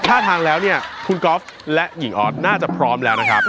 ท่าทางแล้วเนี่ยคุณก๊อฟและหญิงออสน่าจะพร้อมแล้วนะครับ